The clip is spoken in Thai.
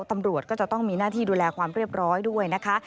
ตำรวจก็จะต้องมีหน้าที่ดูแลความเรียบร้อยด้วยนะคะ